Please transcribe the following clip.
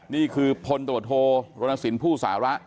นี่คือพลตบทโรนสินผู้สาระ